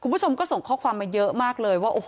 คุณผู้ชมก็ส่งข้อความมาเยอะมากเลยว่าโอ้โห